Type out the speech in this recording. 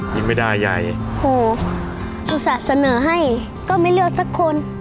กินไม่ได้ยายโหอุตส่าห์เสนอให้ก็ไม่เลือกสักคน